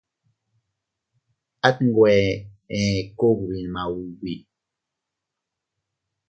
At nwe ee kugbi maubi.